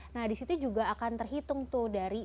nah disitu juga akan terhitung tuh dari